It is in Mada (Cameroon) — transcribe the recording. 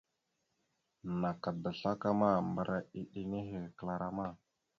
Naka da slakama, mbəra iɗe nehe kəla rama.